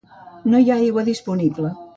No hi ha aigua disponible.